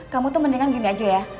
kamu tuh mendingan gini aja ya